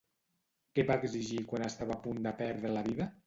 Què va exigir quan estava a punt de perdre la vida?